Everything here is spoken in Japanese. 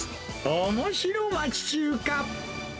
おもしろ町中華。